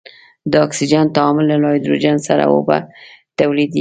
د اکسجن تعامل له هایدروجن سره اوبه تولیدیږي.